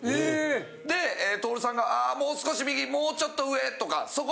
で徹さんがあもう少し右もうちょっと上とかそこ！